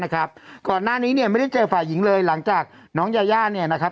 ก่อนหน้านี้เนี่ยไม่ได้เจอฝ่ายหญิงเลยหลังจากน้องยาย่าเนี่ยนะครับ